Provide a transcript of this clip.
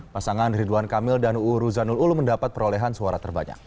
pasangan ridwan kamil dan uu ruzanul ulu mendapat perolehan suara terbanyak